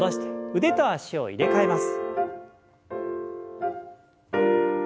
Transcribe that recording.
腕と脚を入れ替えます。